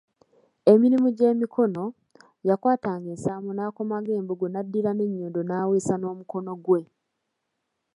Emirimu egy'emikono, yakwatanga ensaamu n'akomaga embugo n'addira n'ennyondo n'aweesa n'omukono gwe.